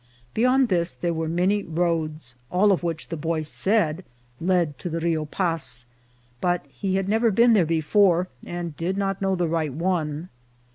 Beyond this there were many roads, all of which, the boy said, led to the Rio Paz ; but he had never been there before, and did not know the right one.